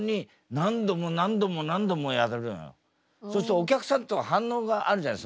そうするとお客さんとか反応があるじゃない？